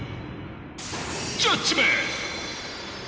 ジャッジメント！